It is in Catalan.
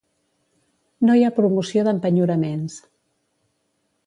No hi ha promoció d'empenyoraments.